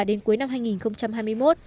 đến cuối năm hai nghìn hai mươi một